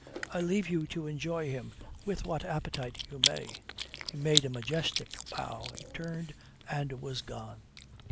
I leave you to enjoy him with what appetite you may." He made a majestic bow, he turned and was gone.